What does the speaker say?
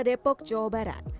depok jawa barat